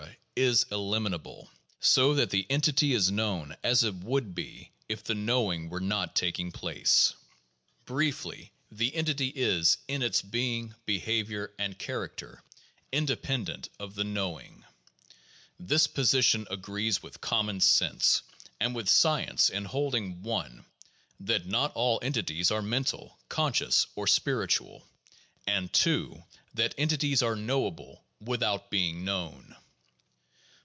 is eliminable, so that the entity is known as it would be if the knowing were not taking place. Briefly, the 400 THE JOUBNAL OF PHILOSOPHY entity is, in its being, behavior, and character, independent of the knowing. This position agrees with common sense and with science in holding (1) that not all entities are mental, conscious, or spiritual, and (2) that entities are knowable without being known.